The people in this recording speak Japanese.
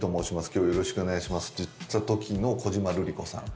今日はよろしくお願いします」って言ったときの小島瑠璃子さん。